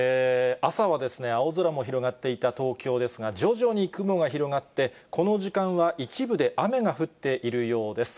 朝は青空も広がっていた東京ですが、徐々に雲が広がって、この時間は一部で雨が降っているようです。